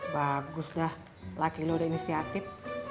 bagus dah laki lu udah inisiatif